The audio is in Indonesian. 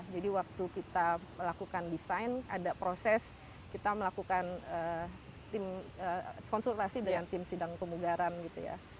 jadi waktu kita melakukan desain ada proses kita melakukan konsultasi dengan tim sidang pemugaran gitu ya